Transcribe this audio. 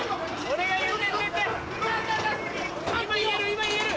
・・今言える！